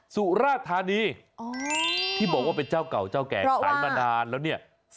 สุราธานีที่บอกว่าเป็นเจ้าเก่าเจ้าแก่ขายมานานแล้วเนี่ย